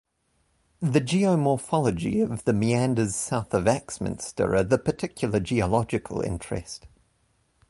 The geomorphology of the meanders south of Axminster are the particular geological interest.